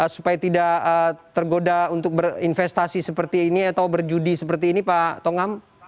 supaya tidak tergoda untuk berinvestasi seperti ini atau berjudi seperti ini pak tongam